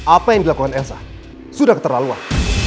apa yang dilakukan elsa sudah keterlaluan